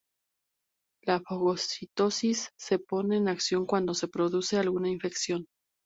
La fagocitosis se pone en acción cuando se produce alguna infección.